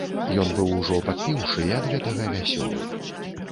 Ён быў ужо падпіўшы і ад гэтага вясёлы.